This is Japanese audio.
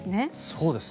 そうです。